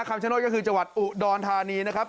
คำชโนธก็คือจังหวัดอุดรธานีนะครับ